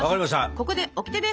ここでオキテです！